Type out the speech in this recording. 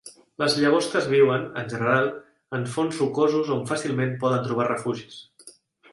Les llagostes viuen, en general, en fons rocosos on fàcilment poden trobar refugis.